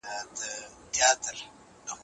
له خپله خدايه مي دا سوال کاوه